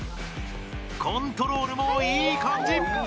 コントロールもいい感じ。